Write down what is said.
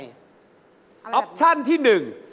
อัละพีดเลี่ยนที่หนึ่ง